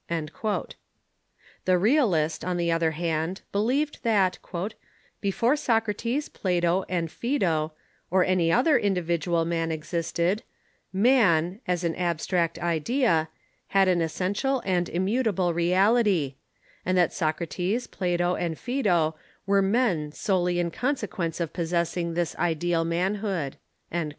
The Realist, on the other hand, believed that, " before Socrates, Plato, and Plijedo, or any other individual men existed, 3fan, as an abstract idea, had an essential and immutable reality, and that Socrates, Plato, and Phjedo were men solely in consequence of possess ing this ideal manhood."